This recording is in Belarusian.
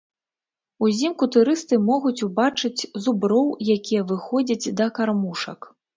Узімку турысты могуць убачыць зуброў, якія выходзяць да кармушак.